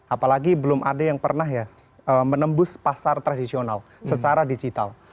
apalagi belum ada yang pernah ya menembus pasar tradisional secara digital